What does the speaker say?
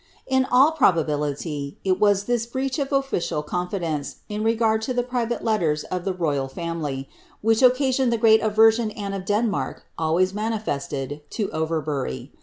In all probability, it was this breach of official confidence, in regard to the private letters of the royal family, which occasioned the great aversion Anne of Denmark always manifested to Overbury.